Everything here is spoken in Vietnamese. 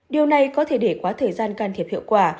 điều này có thể để quá thời gian can thiệp hiệu quả